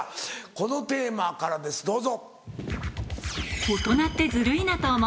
このテーマからですどうぞ。